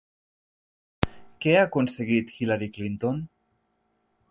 Què ha aconseguit Hillary Clinton?